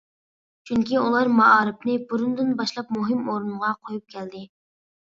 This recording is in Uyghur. چۈنكى ئۇلار مائارىپنى بۇرۇندىن باشلاپلا مۇھىم ئورۇنغا قويۇپ كەلدى.